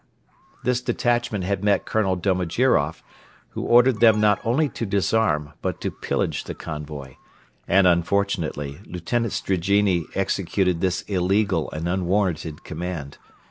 This detachment had met Colonel Domojiroff, who ordered them not only to disarm but to pillage the convoy and, unfortunately, Lieutenant Strigine executed this illegal and unwarranted command.